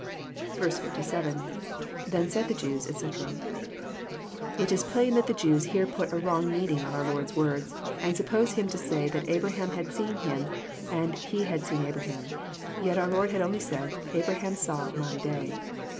57. — {^Then said the Jews, etc."] It is plain that the Jews here put a wrong meaning on our Lord's words, and suppose Him to say that Abraham had seen Him, and He had seen Abraham. Yet our Lord had only said, Abraham saw My day."